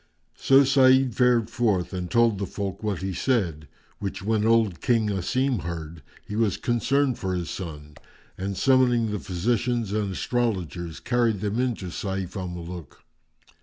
So Sa'id fared forth and told the folk what he said; which when old King Asim heard, he was concerned for his son and, summoning the physicians and astrologers, carried them in to Sayf al Muluk.